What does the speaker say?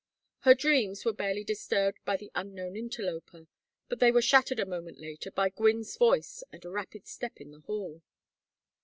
Her dreams were barely disturbed by the unknown interloper, but they were shattered a moment later by Gwynne's voice and rapid step in the hall.